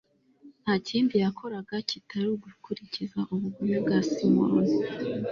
nta kindi yakoraga kitari ugukuririza ubugome bwa simoni